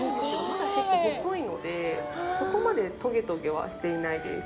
まだ結構細いのでそこまでトゲトゲはしていないです。